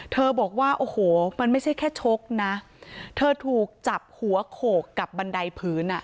บอกว่าโอ้โหมันไม่ใช่แค่ชกนะเธอถูกจับหัวโขกกับบันไดพื้นอ่ะ